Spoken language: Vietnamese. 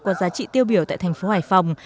có giá trị tiêu biểu tại thành phố hải phòng